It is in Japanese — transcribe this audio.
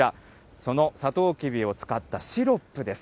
そのさとうきびを使ったシロップです。